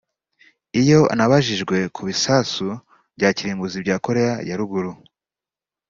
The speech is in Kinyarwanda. Iyo anabajijwe ku bisasu bya kirimbuzi bya Koreya ya Ruguru